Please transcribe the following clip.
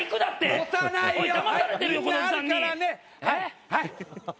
はいはい。